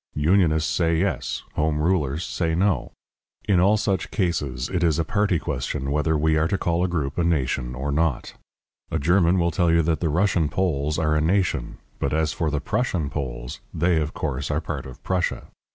Unionists say yes, Home Rulers say no. In all such cases it is a party question whether we are to call a group a nation or not. A German will tell you that the Russian Poles are a nation, but as for the Prussian Poles, they, of course, are part of Prussia.